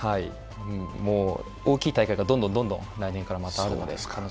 大きい大会がどんどん来年からまたあるので。